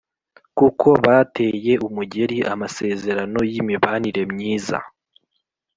kuko bateye umugeri amasezerano y'imibanire myiza